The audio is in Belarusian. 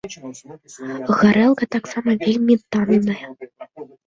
Гарэлка таксама вельмі танная.